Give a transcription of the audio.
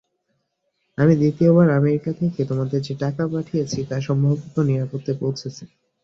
আমি দ্বিতীয়বার আমেরিকা থেকে তোমাদের যে টাকা পাঠিয়েছি, তা সম্ভবত নিরাপদে পৌঁছেছে।